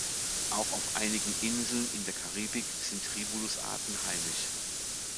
Auch auf einigen Inseln in der Karibik sind "Rivulus"-Arten heimisch.